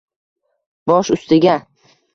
Bosh ustiga